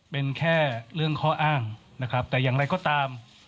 เป็นแค่เรื่องข้ออ้างนะครับแต่อย่างไรก็ตาม